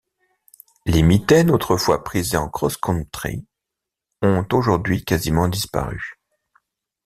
Les mitaines, autrefois prisées en cross-country, ont aujourd'hui quasiment disparu.